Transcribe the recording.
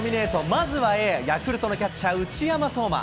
まずはＡ、ヤクルトのキャッチャー、内山壮真。